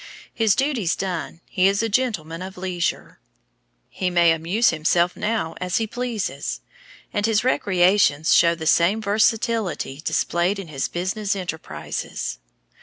His duties done, he is a gentleman of leisure. He may amuse himself now as he pleases, and his recreations show the same versatility displayed in his business enterprises.